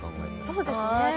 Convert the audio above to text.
そうですね。